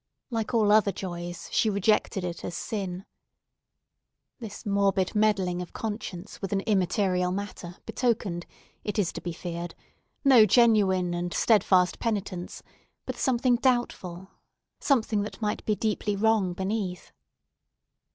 Like all other joys, she rejected it as sin. This morbid meddling of conscience with an immaterial matter betokened, it is to be feared, no genuine and steadfast penitence, but something doubtful, something that might be deeply wrong beneath.